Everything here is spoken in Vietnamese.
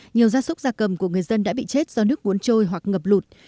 nhiều gia súc gia cầm của người dân đã bị chết do nước cuốn trôi hoặc ngập lụt